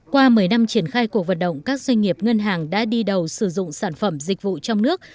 qua một mươi năm triển khai cuộc vận động các doanh nghiệp ngân hàng đã đi đầu sử dụng sản phẩm dịch vụ trong nước